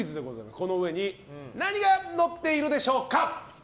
この上に何がのっているでしょうか。